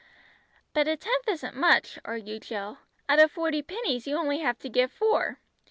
"But a tenth isn't much," argued Jill. "Out of forty pennies you only have to give four.